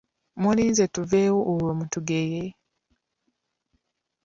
Muliinze tuveewo olwo mutugeye!